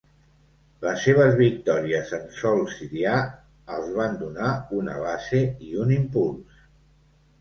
Les seves victòries en sòl sirià els van donar una base i un impuls.